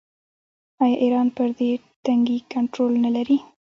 آیا ایران پر دې تنګي کنټرول نلري؟